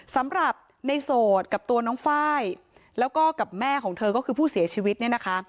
สำหรับในโสดกับตัวน้องไฟล์แล้วก็กับแม่ของเธอก็คือผู้เสียชีวิตเนี่ยนะคะ